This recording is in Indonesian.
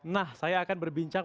nah saya akan berbincang